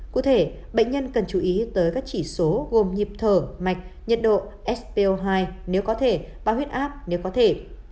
cụ thể bệnh nhân cần chú ý tới các chỉ số gồm nhịp thở mạch nhiệt độ spo hai nếu có thể bao huyết áp nếu có thể